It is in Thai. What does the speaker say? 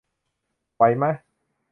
ไหวมะ